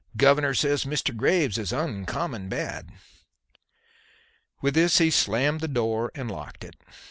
Governor says Mr. Graves is uncommon bad." With this he slammed the door and locked it.